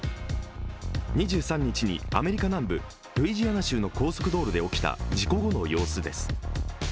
２３日にアメリカ南部ルイジアナ州の高速道路で起きた、事故後の様子です。